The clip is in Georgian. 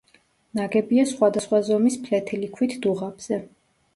ნაგებია სხვადასხვა ზომის ფლეთილი ქვით დუღაბზე.